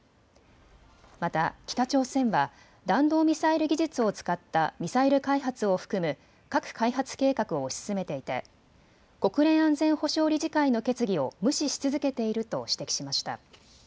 また北朝鮮は弾道ミサイル技術を使ったミサイル開発を含む核開発計画を推し進めていて国連安全保障理事会の決議を無視し続けていると指摘しました。